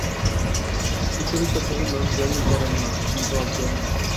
সুচরিতা কহিল, জ্ঞানী করেন না, কিন্তু অজ্ঞানী?